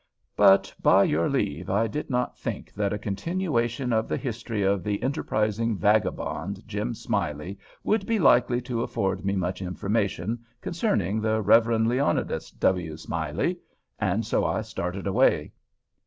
But, by your leave, I did not think that a continuation of the history of the enterprising vagabond Jim Smiley would be likely to afford me much information concerning the Rev. Leonidas W. Smiley, and so I started away.